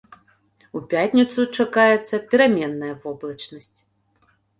У пятніцу чакаецца пераменная воблачнасць.